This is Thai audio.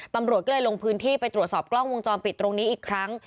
ตำรวจก็เลยลงพื้นที่ไปตรวจสอบกล้องวงจรปิดตรงนี้อีกครั้ง